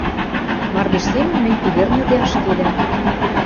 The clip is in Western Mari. мардеж семӹнь мӹнь пӱгӹрнӹде ашкедӓм.